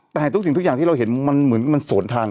แต่ทุกสิ่งทุกอย่างที่เราเห็นมันเหมือนมันสวนทาง